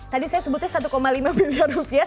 tadi saya sebutnya satu lima miliar rupiah